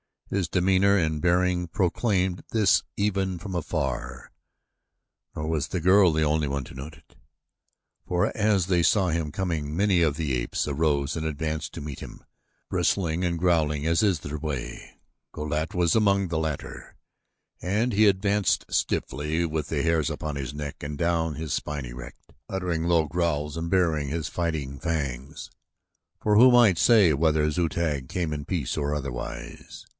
His demeanor and bearing proclaimed this even from afar, nor was the girl the only one to note it. For as they saw him coming many of the apes arose and advanced to meet him, bristling and growling as is their way. Go lat was among these latter, and he advanced stiffly with the hairs upon his neck and down his spine erect, uttering low growls and baring his fighting fangs, for who might say whether Zu tag came in peace or otherwise?